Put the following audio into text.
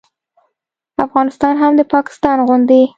افغانستان هم د پاکستان غوندې